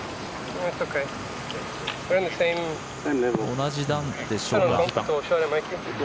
同じ段でしょうか。